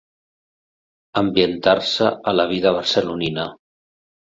Ambientar-se a la vida barcelonina.